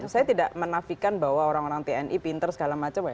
saya tidak menafikan bahwa orang orang tni pinter segala macam